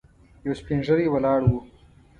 یو سپين ږيری ولاړ و.